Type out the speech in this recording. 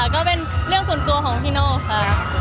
หนูไม่รู้ว่าเขาพูดถึงใครค่ะ